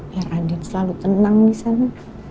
biar andin selalu tenang disana